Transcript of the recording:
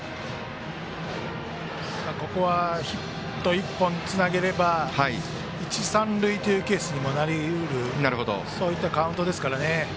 ここはヒット１本つなげられれば一、三塁というケースにもなり得るカウントですから。